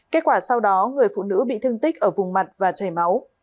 kết quả sau đó người phụ nữ bị thương tích ở vùng mặt và chảy máu